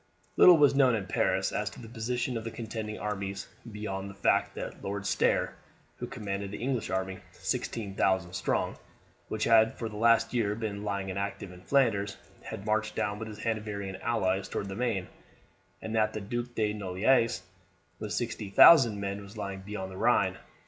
Little was known in Paris as to the position of the contending armies beyond the fact that Lord Stair, who commanded the English army, sixteen thousand strong, which had for the last year been lying inactive in Flanders, had marched down with his Hanoverian allies towards the Maine, and that the Duc de Noailles with sixty thousand men was lying beyond the Rhine.